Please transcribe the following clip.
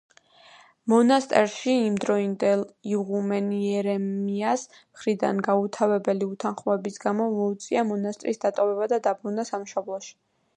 მონასტერში იმდროინდელ იღუმენ იერემიას მხრიდან გაუთავებელი უთანხმოების გამო მოუწია მონასტრის დატოვება და დაბრუნდა სამშობლოში.